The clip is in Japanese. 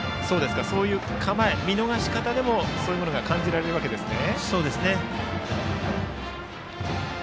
構えや見逃し方でもそういうものが感じられるわけですね。